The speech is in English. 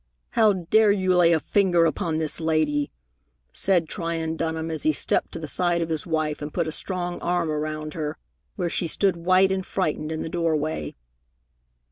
"How dare you lay a finger upon this lady?" said Tryon Dunham, as he stepped to the side of his wife and put a strong arm about her, where she stood white and frightened in the doorway.